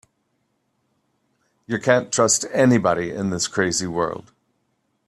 You can't trust anybody in this crazy world.